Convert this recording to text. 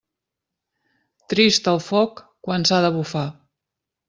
Trist el foc quan s'ha de bufar.